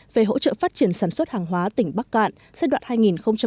về hỗ trợ phát triển sản xuất hàng hóa tỉnh bắc cạn giai đoạn hai nghìn một mươi chín hai nghìn hai mươi